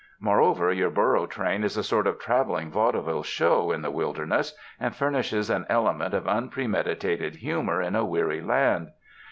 Moreover, your burro train is a sort of traveling vaudeville show in the wilder ness, and furnishes an element of unpremeditated humor in a weary land.